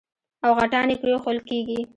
او غټان يې پرېښوول کېږي.